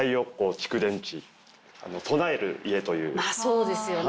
そうですよね。